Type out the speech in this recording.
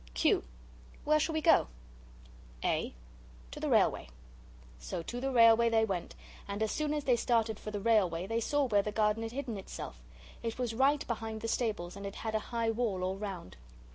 Q. Where shall we go? A. To the railway. So to the railway they went, and as soon as they started for the railway they saw where the garden had hidden itself. It was right behind the stables, and it had a high wall all round.